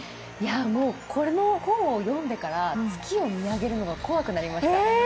もう、この本を読んでから月を見上げるのが怖くなりました。